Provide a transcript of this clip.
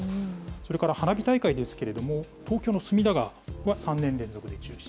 それから花火大会ですけれども、東京の隅田川は３年連続で中止。